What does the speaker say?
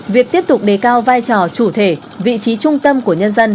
việc tiếp tục đề cao vai trò chủ thể vị trí trung tâm của nhân dân